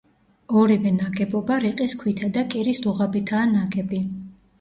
ორივე ნაგებობა რიყის ქვითა და კირის დუღაბითაა ნაგები.